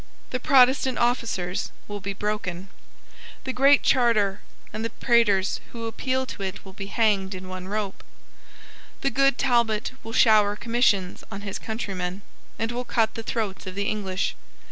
The Protestant officers will be broken. The Great Charter and the praters who appeal to it will be hanged in one rope. The good Talbot will shower commissions on his countrymen, and will cut the throats of the English.